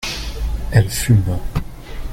elle fume.